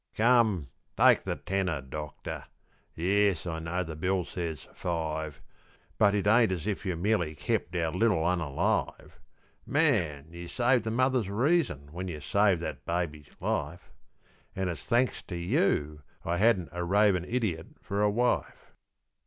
_) Come, take the tenner, doctor ... yes, I know the bill says "five," But it ain't as if you'd merely kep' our little 'un alive; Man, you saved the mother's reason when you saved that baby's life, An' it's thanks to you I ha'n't a ravin' idiot for a wife.